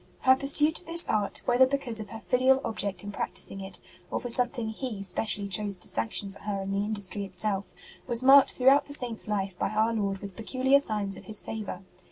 Her pursuit of this art, whether because of her filial object in prac tising it or for something He specially chose to sanction for her in the industry itself, was marked throughout the Saint s life by Our Lord with peculiar signs of His favour.